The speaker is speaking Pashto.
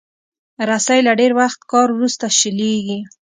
رسۍ له ډېر وخت کار وروسته شلېږي.